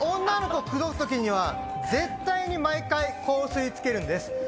女の子口説く時には絶対に毎回香水つけるんです。